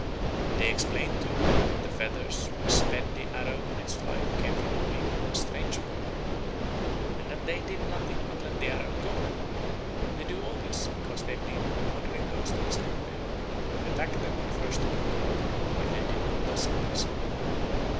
They explain, too, that the feathers which sped the arrow on its flight came from the wing of a strange bird, and that they did nothing but let the arrow go. They do all this because they believe that the wandering ghost of the slain bear would attack them on the first opportunity, if they did not thus appease it.